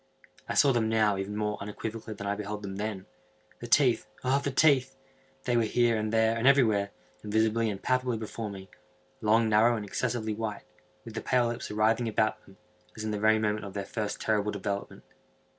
I saw them now even more unequivocally than I beheld them then. The teeth!—the teeth!—they were here, and there, and everywhere, and visibly and palpably before me; long, narrow, and excessively white, with the pale lips writhing about them, as in the very moment of their first terrible development.